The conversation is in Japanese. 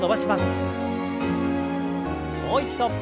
もう一度。